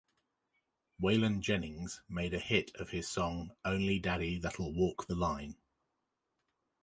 Waylon Jennings made a hit of his song "Only Daddy That'll Walk the Line".